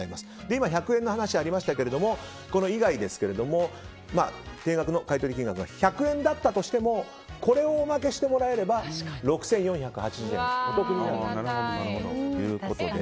今、１００円の話がありましたけどもこれ以外、定額の買い取り金額が１００円だったとしてもこれをおまけしてもらえれば６４８０円お得になるということで。